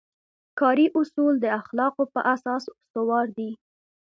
کاري اصول د اخلاقو په اساس استوار دي.